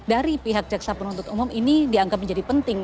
dan dari pihak jaksa penutup umum ini dianggap menjadi penting